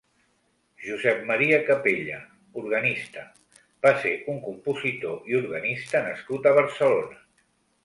Josep Maria Capella (organista) va ser un compositor i organista nascut a Barcelona.